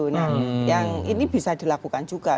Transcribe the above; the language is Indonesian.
nah yang ini bisa dilakukan juga